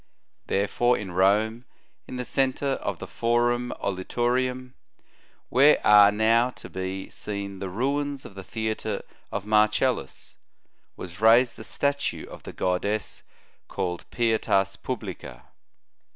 Therefore in Rome, in the centre of the Forum olitorium, where are now to be seen the ruins of the theatre of Marcellus, was raised the statue of the goddess called Pietas publica.